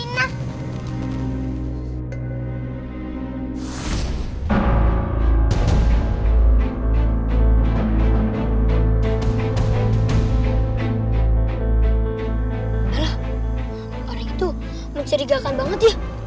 alah orang itu mencerigakan banget ya